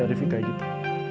gak rifki kayak gitu